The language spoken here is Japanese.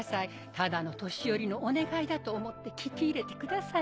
ただの年寄りのお願いだと思って聞き入れてください。